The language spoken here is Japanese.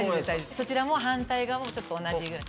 そちらも反対側も同じぐらい。